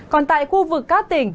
còn tại khu vực các tỉnh